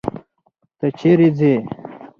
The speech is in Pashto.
ته چيري ځې؟